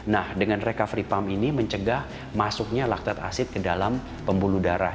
nah dengan recovery pump ini mencegah masuknya laktet asid ke dalam pembuluh darah